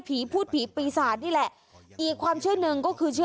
คุณพูดตลาดกลัวออก